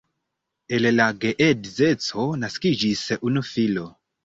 El la geedzeco naskiĝis unu filo.